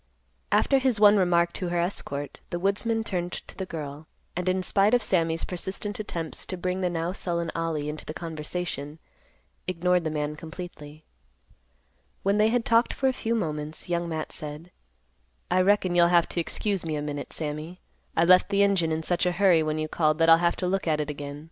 After his one remark to her escort, the woodsman turned to the girl, and, in spite of Sammy's persistent attempts to bring the now sullen Ollie into the conversation, ignored the man completely. When they had talked for a few moments, Young Matt said, "I reckon you'll have to excuse me a minute, Sammy; I left the engine in such a hurry when you called that I'll have to look at it again.